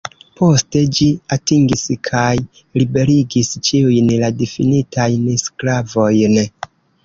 Poste ĝi atingis kaj liberigis ĉiujn la difinitajn sklavojn.